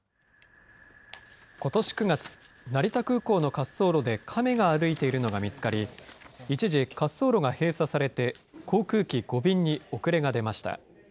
ことし９月、成田空港の滑走路で亀が歩いているのが見つかり、一時、滑走路が閉鎖されて、航空機５便に遅れが出ました。